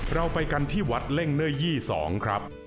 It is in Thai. เราไปกันที่วัดเล่งเนอร์๒ครับ